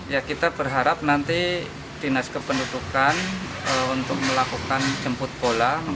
ya kita berharap nanti dinas kependudukan untuk melakukan jemput bola